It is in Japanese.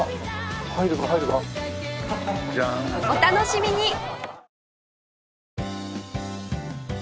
お楽しみに！